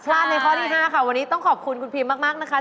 ในข้อที่๕ค่ะวันนี้ต้องขอบคุณคุณพิมมากนะคะ